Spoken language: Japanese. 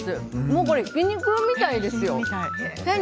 もうこれ、ひき肉みたいですよ。